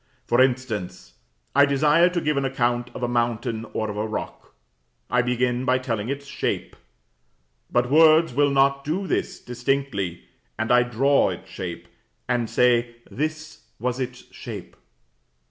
For instance: I desire to give an account of a mountain or of a rock; I begin by telling its shape. But words will not do this distinctly, and I draw its shape, and say, "This was its shape."